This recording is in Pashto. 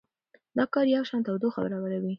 دا کار یوشان تودوخه برابروي.